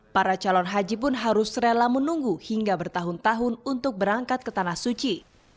para calon haji pun harus rela menunggu hingga bertahun tahun untuk berangkat ke tanah suci